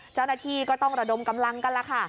เจ้าหน้าที่ก็ต้องระดมกำลังกันแล้วค่ะ